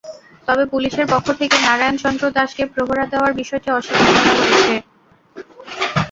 তবে পুলিশের পক্ষ থেকে নারায়ণ চন্দ্র দাসকে প্রহরা দেওয়ার বিষয়টি অস্বীকার করা হয়েছে।